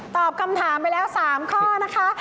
ตอบคำถามไปแล้ว๓ข้อนะคะ